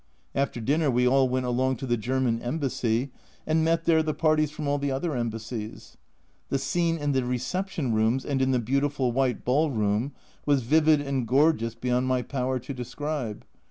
After dinner we all went along to the German Embassy, and met there the parties from all the other Embassies. The scene in the reception rooms and in the beautiful white ball room was vivid and gorgeous beyond my power to describe.